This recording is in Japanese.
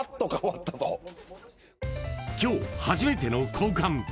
今日初めての交換